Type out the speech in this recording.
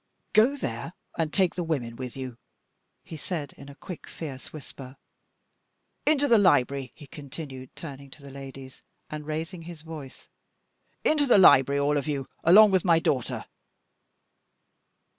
"Go there, and take the women with you," he said, in a quick, fierce whisper. "Into the library!" he continued, turning to the ladies, and raising his voice. "Into the library, all of you, along with my daughter."